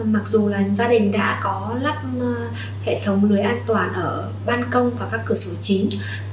mặc dù là gia đình đã có lắp hệ thống lưới an toàn ở ban công và các cửa sổ chính